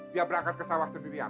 dia berangkat ke sawah sendiri aja